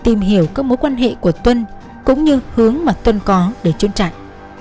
tìm hiểu các mối quan hệ của tuân cũng như hướng mà tuân có để chuyên trại